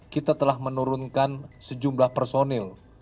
kita telah menurunkan sejumlah personil